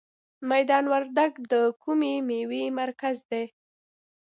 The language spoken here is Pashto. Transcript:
میدان وردګ د کومې میوې مرکز دی؟